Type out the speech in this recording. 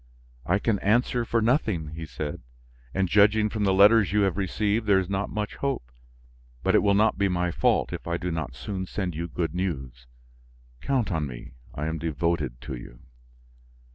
"I can answer for nothing," he said, "and, judging from the letters you have received, there is not much hope. But it will not be my fault if I do not soon send you good news. Count on me, I am devoted to you."